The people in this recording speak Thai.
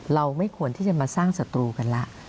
เราไม่ควรที่จะมาสร้างศัตรูกันแล้ว